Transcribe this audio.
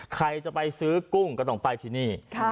ใครจะไปซื้อกุ้งก็ต้องไปที่นี่